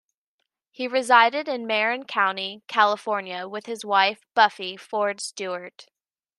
He resided in Marin County, California with his wife, Buffy Ford Stewart.